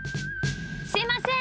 すいません！